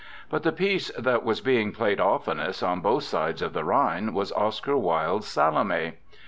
But the piece that was being played oftenest, on both sides of the Rhine, was Oscar Wilde's "Salome."